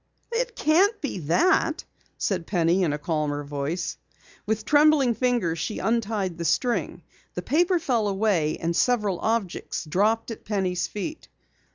"It can't be that," said Penny in a calmer voice. With trembling fingers she untied the string. The paper fell away and several objects dropped at Penny's feet.